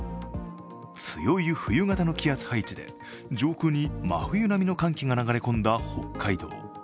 強い冬型の気圧配置で上空に真冬並みの寒気が流れ込んだ北海道。